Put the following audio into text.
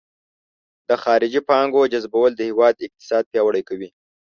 د خارجي پانګونې جذبول د هیواد اقتصاد پیاوړی کوي.